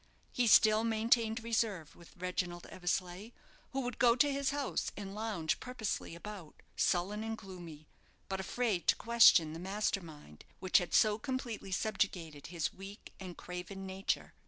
He still maintained reserve with Reginald Eversleigh, who would go to his house, and lounge purposelessly about, sullen and gloomy, but afraid to question the master mind which had so completely subjugated his weak and craven nature.